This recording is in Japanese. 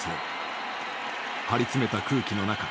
張り詰めた空気の中